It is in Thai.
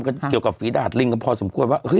ก็เกี่ยวกับฝีดาดลิงกันพอสมควรว่า